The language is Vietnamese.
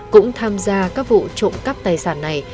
cũng tham gia các vụ trộm cắp tài sản này